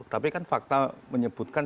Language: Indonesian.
tapi kan fakta menyebutkan